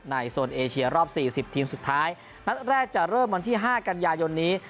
โซนเอเชียรอบ๔๐ทีมสุดท้ายนัดแรกจะเริ่มวันที่๕กันยายนนี้